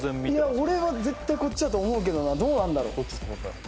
俺は絶対こっちだと思うけどなどうなんだろこっちと思った？